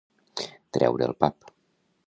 Treure el pap.